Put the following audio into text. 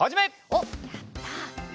おっやった！